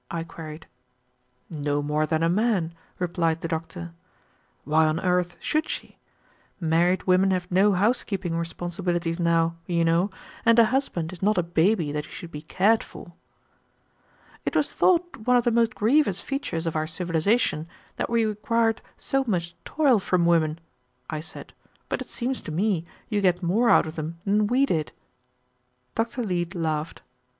I queried. "No more than a man," replied the doctor. "Why on earth should she? Married women have no housekeeping responsibilities now, you know, and a husband is not a baby that he should be cared for." "It was thought one of the most grievous features of our civilization that we required so much toil from women," I said; "but it seems to me you get more out of them than we did." Dr. Leete laughed.